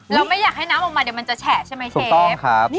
เราไม่อยากให้น้ำออกมาเดี๋ยวมันจะแฉะใช่ไหมเชฟ